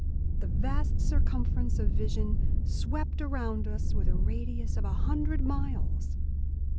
The vast circumference of vision swept around us with a radius of a hundred miles.